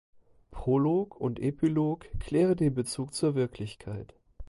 Prolog und Epilog klären den Bezug zur Wirklichkeit.